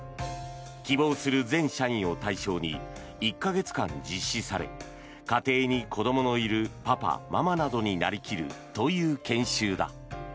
希望する全社員を対象に１か月間実施され家庭に子どものいるパパ、ママなどになり切るという研修だ。